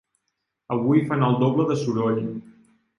Avui fan el doble de soroll.